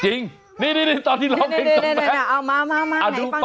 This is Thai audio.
จริงนี่ตอนที่เราร้องเพลงทรงแบดให้นะมา